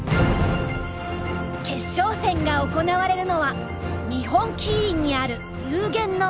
決勝戦が行われるのは日本棋院にある幽玄の間。